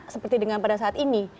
seperti pada saat ini